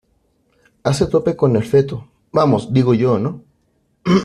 hace tope con el feto, vamos , digo yo ,¿ no?